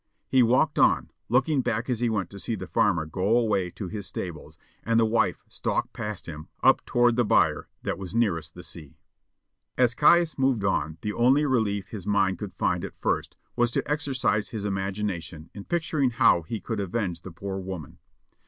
He walked on, looking back as he went to see the farmer go away to his stables and the wife stalk past him up toward the byre that was nearest the sea. As Caius moved on, the only relief his mind could find at first was to exercise his imagination in picturing how he could avenge the poor woman.